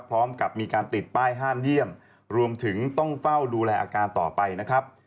พร้อมกับมีการติดป้ายห้ามเยี่ยมรวมถึงต้องเฝ้าดูแลอาการต่อไปนะครับ